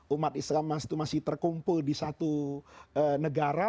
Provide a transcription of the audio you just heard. umat islam masih terkumpul di satu negara